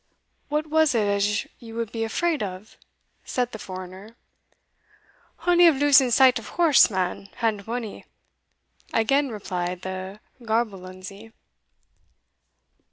"What was it as you would be afraid of?" said the foreigner. "Only of losing sight of horse, man, and money," again replied the gaberlunzie.